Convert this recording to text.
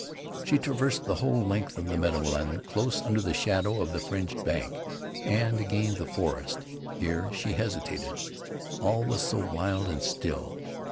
She traversed the whole length of meadowland close under the shadow of the fringed bank, and gained the forest. Here she hesitated. All was so wild and still.